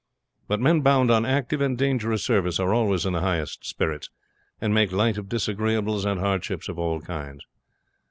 But men bound on active and dangerous service are always in the highest spirits, and make light of disagreeables and hardships of all kinds.